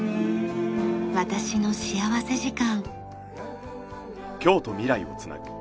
『私の幸福時間』。